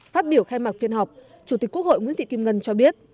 phát biểu khai mạc phiên họp chủ tịch quốc hội nguyễn thị kim ngân cho biết